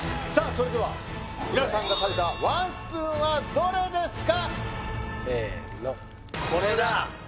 それでは皆さんが食べたワンスプーンはどれですか？